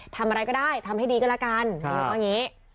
ทำอะไรก็ได้ทำให้ดีก็แล้วกันว่าอย่างนี้